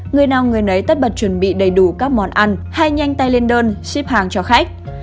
người nào người nấy tất bật chuẩn bị đầy đủ các món ăn hay nhanh tay lên đơn xếp hàng cho khách